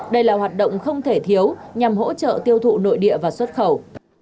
đây là hoạt động không thể thiếu nhằm hỗ trợ tiêu thụ nội địa và xuất khẩu